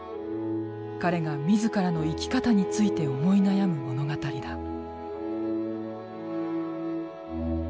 彼が自らの生き方について思い悩む物語だ。